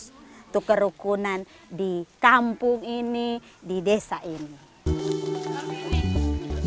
untuk kerukunan di kampung ini di desa ini